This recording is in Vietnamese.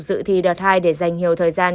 dự thi đợt hai để dành nhiều thời gian